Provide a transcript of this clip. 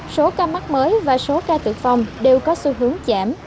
số ca mắc mới và số ca tử vong đều có xu hướng giảm